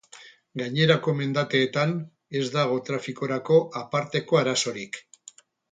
Gainerako mendateetan ez dago trafikorako aparteko arazorik.